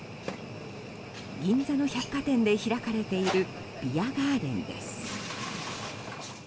銀座の百貨店で開かれているビアガーデンです。